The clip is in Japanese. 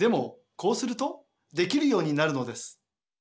こうするとできるようになるのです。